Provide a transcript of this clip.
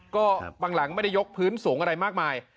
ก็บางหลังไม่ได้ยกพื้นสูงอะไรมากมาย